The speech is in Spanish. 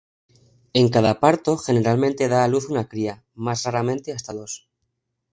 En cada parto generalmente da a luz una cría, más raramente hasta dos.